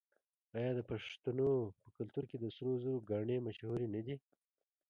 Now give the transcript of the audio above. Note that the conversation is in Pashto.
آیا د پښتنو په کلتور کې د سرو زرو ګاڼې مشهورې نه دي؟